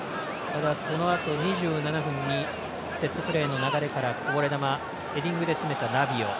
そのあと２７分にセットプレーの流れからこぼれ球ヘディングでつめたラビオ。